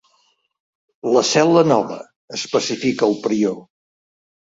La cel·la nova, especifica el prior.